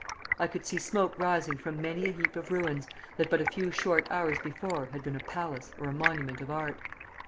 I could see smoke rising from many a heap of ruins that but a few short hours before had been a palace or a monument of art.